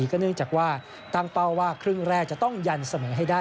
ก็เนื่องจากว่าตั้งเป้าว่าครึ่งแรกจะต้องยันเสมอให้ได้